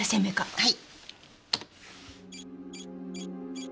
はい。